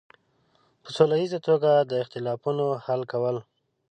په سوله ییزه توګه د اختلافونو حل کول.